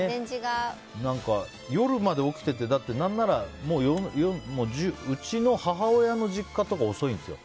夜まで起きててうちの母親の実家とか遅いんですよ。